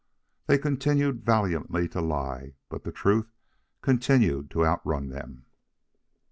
They continued valiantly to lie, but the truth continued to outrun them.